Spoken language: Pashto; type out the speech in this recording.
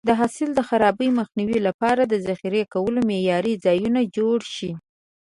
د حاصل د خرابي مخنیوي لپاره د ذخیره کولو معیاري ځایونه جوړ شي.